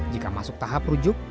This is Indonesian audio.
jika masuk tahap rujuk